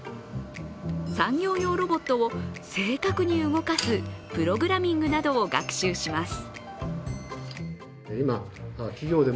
産業用ロボットを正確に動かすプログラミングなどを学習します。